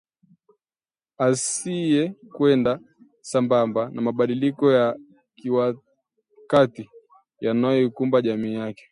asiyekwenda sambamba na mabadiliko ya kiwakati yanayoikumba jamii yake